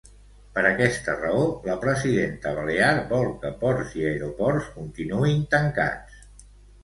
Per aquesta raó, la presidenta balear vol que ports i aeroports continuïn tancats.